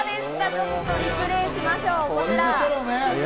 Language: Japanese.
ちょっとリプレイしましょう。